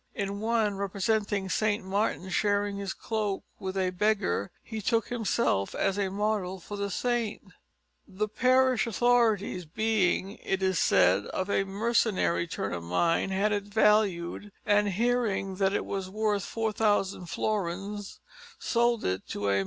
In one, representing St. Martin sharing his cloak with a beggar, he took himself as a model for the saint. The parish authorities being, it is said, of a mercenary turn of mind, had it valued, and, hearing that it was worth 4000 florins, sold it to a M.